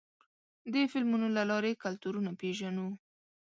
د فلمونو له لارې کلتورونه پېژنو.